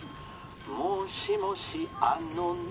・「もしもしあのね